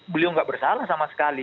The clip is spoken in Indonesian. beliau nggak bersalah sama sekali